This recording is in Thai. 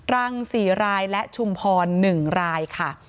รัง๔รายและชุมพร๑รายค่ะ